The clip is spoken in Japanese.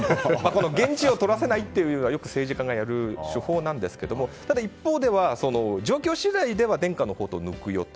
言質を取らせないというのはよく政治家がやる手法ですがただ、一方では状況次第では伝家の宝刀を抜くよと。